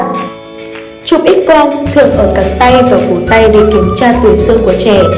trục x quang thường ở cẳng tay và cổ tay để kiểm tra tuổi sơ của trẻ